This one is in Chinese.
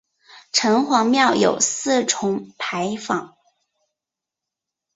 城隍庙有四重牌坊。